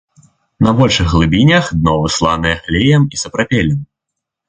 На большых глыбінях дно высланае глеем і сапрапелем.